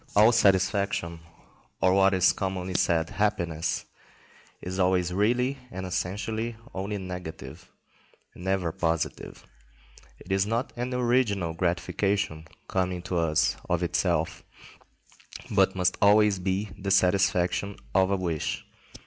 All satisfaction, or what is commonly called happiness, is always really and essentially only negative, and never positive. It is not an original gratification coming to us of itself, but must always be the satisfaction of a wish.